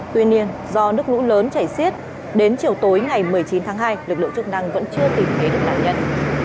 tuy nhiên do nước lũ lớn chảy xiết đến chiều tối ngày một mươi chín tháng hai lực lượng chức năng vẫn chưa tìm kế đức đạn nhân